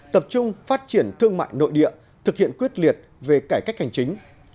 tập trung phát triển thương mại nội địa thực hiện quyết liệt về cải cách hành chính